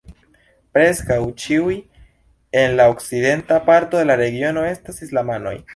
Preskaŭ ĉiuj en la okcidenta parto de la regiono estas islamanoj.